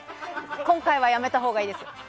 今回はやめたほうがいいです。